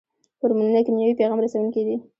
هورمونونه کیمیاوي پیغام رسوونکي دي